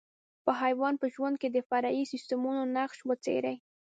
په حیوان په ژوند کې د فرعي سیسټمونو نقش وڅېړئ.